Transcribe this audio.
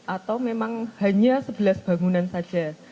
atau memang hanya sebelas bangunan saja